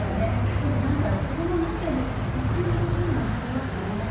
でもそれも何回も行く楽しみもありますよね。